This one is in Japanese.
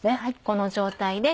この状態で。